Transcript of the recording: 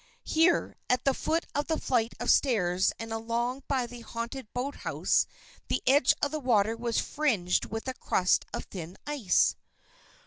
Here, at the foot of the flight of stairs and along by the haunted boathouse, the edge of the water was fringed with a crust of thin ice.